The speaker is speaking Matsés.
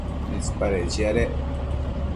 ¿mitsipadec chiadec